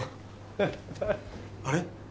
あれ？